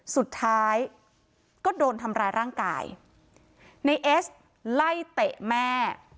สุดท้ายก็โดนทำร้ายร่างกายในเอสไล่เตะแม่